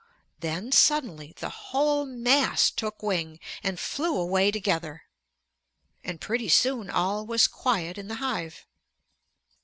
Then suddenly the whole mass took wing and flew away together. And pretty soon all was quiet in the hive.